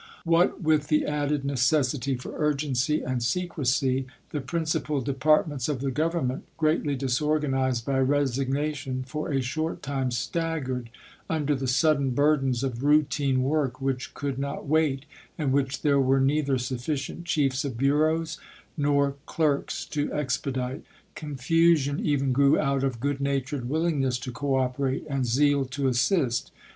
What with the added necessity for urgency and secrecy, the principal departments of the Govern ment, greatly disorganized by resignation, for a short time staggered under the sudden burdens of routine work which could not wait, and which there were neither sufficient chiefs of bureaus nor clerks to expedite. Confusion even grew out of good natured willingness to cooperate and zeal to assist.